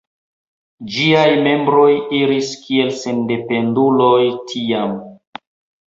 Ĝiaj membroj iris kiel sendependuloj tiam.